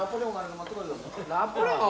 ナポレオン！？